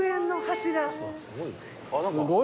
すごい。